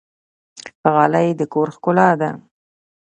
غالۍ د کور ښکلا ده